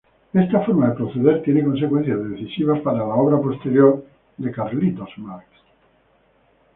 Esta forma de proceder tiene consecuencias decisivas para la obra posterior de Marx.